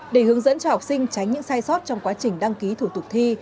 để hướng dẫn cho học sinh tránh những sai sót trong quá trình đăng ký thủ tục thi